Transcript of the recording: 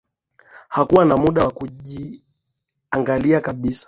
Hakuwa na muda wa kujiangalia kabisa